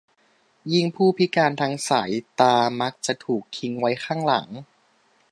ยิ่งผู้พิการทางสายตามักจะถูกทิ้งไว้ข้างหลัง